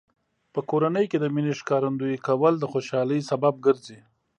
په کورنۍ کې د مینې ښکارندوی کول د خوشحالۍ سبب ګرځي.